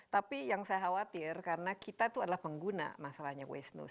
tapi yang saya khawatir karena kita tuh adalah pengguna masalahnya waze news